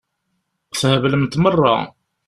Theblemt meṛṛa.